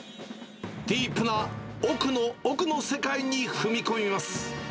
ディープな奥の奥の世界に踏み込みます。